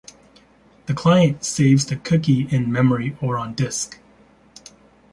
The client saves the cookie in memory or on disk.